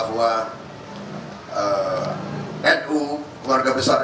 nu keluarga besar nu akan mengawal dan menangani